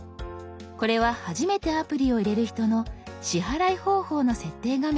これは初めてアプリを入れる人の支払い方法の設定画面です。